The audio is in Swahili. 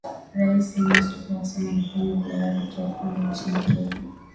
Rais Samia Suluhu Hassan amefanya ziara yake ya kwanza nchini Kenya